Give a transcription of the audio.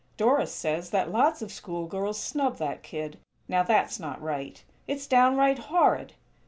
Doris says that lots of school girls snub that kid. Now that's not right. It's downright _horrid!